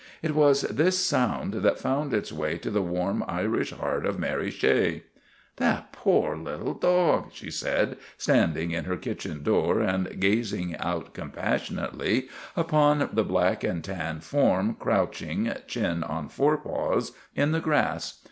It was this sound that found its way to the warm Irish heart of Mary Shea. The poor little dog," she said, standing in her kitchen door and gazing out compassionately upon the black and tan form crouching, chin on fore paws, in the grass.